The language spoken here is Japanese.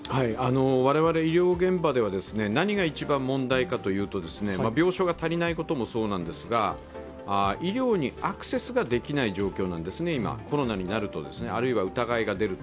我々医療現場では何が一番問題かというと病床が足りないこともそうなんですが医療にアクセスができない状況なんですね、コロナになると、あるいは疑いが出ると。